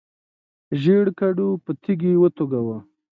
ژیړ کډو په تیږي وتوږه.